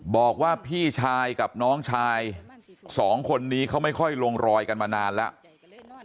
บอกว่าพี่ชายกับน้องชายสองคนนี้เขาไม่ค่อยลงรอยกันมานานแล้ว